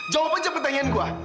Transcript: jawab aja pertanyaan gue